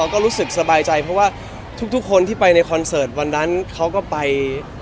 ก็รู้สึกสบายใจเพราะว่าทุกคนที่ไปในคอนเสิร์ตวันนั้นเขาก็ไป